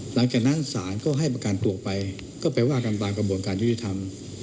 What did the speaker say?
หลังจากนั้นศาลก็ให้ประกันตัวไปก็ไปว่ากันตามกระบวนการยุติธรรม